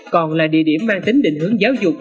còn là địa điểm mang tính định hướng giáo dục